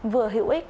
vừa hữu ích